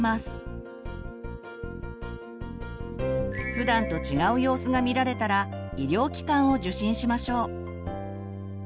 普段と違う様子が見られたら医療機関を受診しましょう。